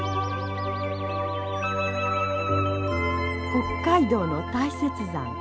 北海道の大雪山。